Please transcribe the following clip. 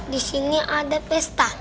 disini ada pesta